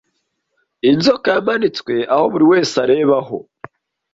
inzoka yamanitswe aho buri wese arebaho